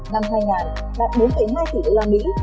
năm hai nghìn đạt bốn hai tỷ usd